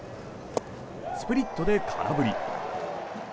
スプリットで空振り。